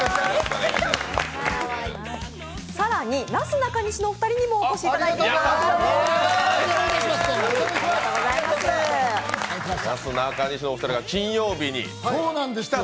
更に、なすなかにしのお二人にもお越しいただきました。